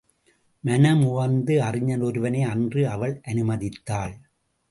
மனமுவந்து அறிஞன் ஒருவனை அன்று அவள் அனுமதித்தாள்.